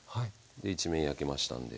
で一面焼けましたんで。